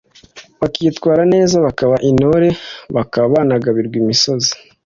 bakwitwara neza bakaba intore, bakaba banagabirwa imisozi